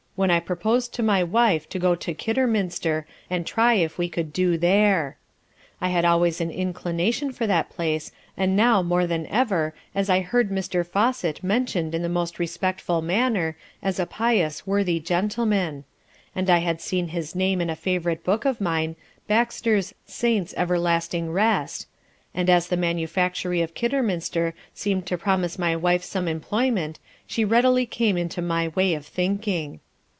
When I purposed to my wife to go to Kidderminster and try if we could do there. I had always an inclination for that place, and now more than ever as I had heard Mr. Fawcet mentioned in the most respectful manner, as a pious worthy Gentleman; and I had seen his name in a favourite book of mine, Baxter's Saints everlasting rest, and as the Manufactory of Kidderminster seemed to promise my wife some employment, she readily came into my way of thinking.